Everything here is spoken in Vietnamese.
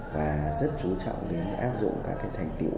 và rất chú trọng đến áp dụng các thành tiệu